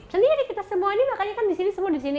sendiri kita semua ini makannya kan di sini semua di sini